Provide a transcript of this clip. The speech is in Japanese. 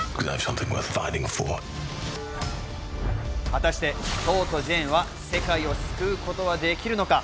果たして、ソーとジェーンは世界を救うことはできるのか？